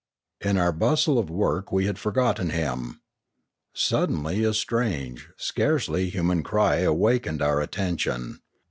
In our bustle of work we had forgotten him. Sud denly a strange, scarcely human cry awakened our at tention.